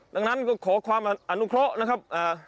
ดังนั้นก็ขอความอนุเคราะห์นะครับ